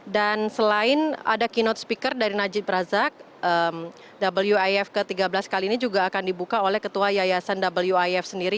dan selain ada keynote speaker dari najib razak wif ke tiga belas kali ini juga akan dibuka oleh ketua yayasan wif sendiri